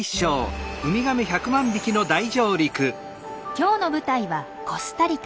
今日の舞台はコスタリカ。